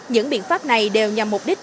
những biện pháp này đều nhằm mục đích